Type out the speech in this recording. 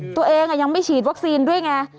ตัวเองยังไม่ฉีดวัคซีนด้วยไง